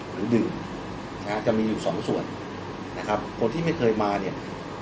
หรือหนึ่งนะฮะจะมีอยู่สองส่วนนะครับคนที่ไม่เคยมาเนี่ย